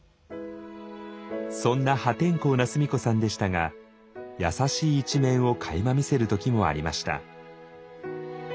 そんな破天荒な須美子さんでしたが優しい一面をかいま見せる時もありました。